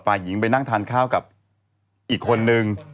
ฝ่ายหญิงไปนั่งทานข้าวกับอีกคนนึง